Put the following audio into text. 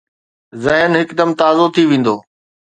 ذهن هڪدم تازو ٿي ويندو